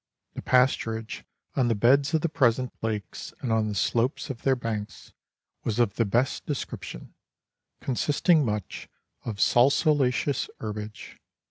The pasturage on the beds of the present lakes, and on the slopes of their banks, was of the best description, consisting much of salsolaceous herbage.